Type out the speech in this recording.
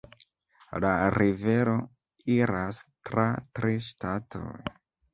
La rivero iras tra tri ŝtatoj.